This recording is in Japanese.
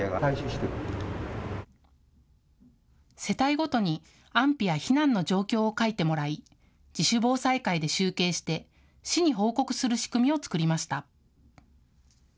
世帯ごとに安否や避難の状況を書いてもらい自主防災会で集計して市に報告する仕組みを作りました。